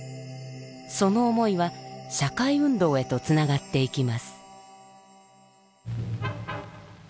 その思いは社会運動へとつながっていきます。